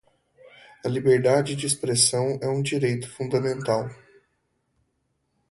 A liberdade de expressão é um direito fundamental.